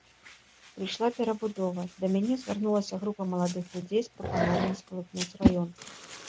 Прыйшла перабудова, да мяне звярнулася група маладых людзей з прапановай ускалыхнуць раён.